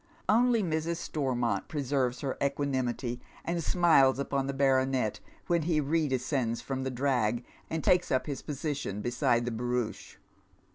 Only Mrs. Stormont preserves her equanimity, and smiles upon the baronet when he re descends from the drag and takes up his position beside the barouche.